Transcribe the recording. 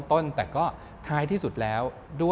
แต่ก็ท้ายที่สุดแล้ว